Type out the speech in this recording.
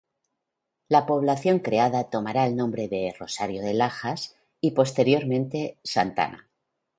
La población creada tomará el nombre de "Rosario de Lajas" y posteriormente "Santa Ana".